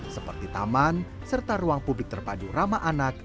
seperti taman serta ruang publik terpadu ramah anak